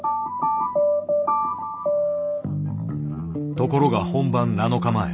ところが本番７日前。